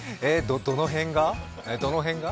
ど、どの辺が？